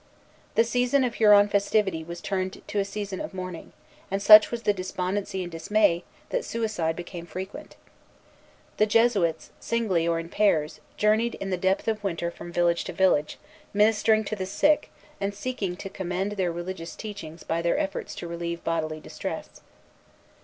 The season of Huron festivity was turned to a season of mourning; and such was the despondency and dismay, that suicide became frequent. The Jesuits, singly or in pairs, journeyed in the depth of winter from village to village, ministering to the sick, and seeking to commend their religious teachings by their efforts to relieve bodily distress.